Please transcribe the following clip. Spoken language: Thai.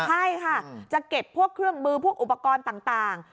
ใช่ค่ะจะเก็บพวกเครื่องมือพวกอุปกรณ์ต่าง